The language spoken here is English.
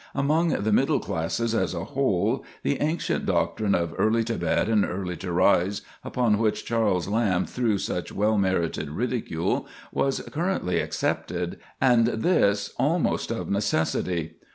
Among the middle classes, as a whole, the ancient doctrine of early to bed and early to rise, upon which Charles Lamb threw such well merited ridicule, was currently accepted, and this almost of necessity.